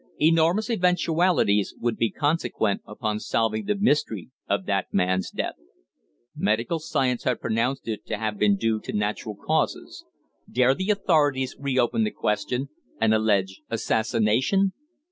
Enormous eventualities would be consequent upon solving the mystery of that man's death. Medical science had pronounced it to have been due to natural causes. Dare the authorities re open the question, and allege assassination?